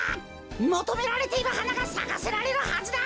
もとめられているはながさかせられるはずだ！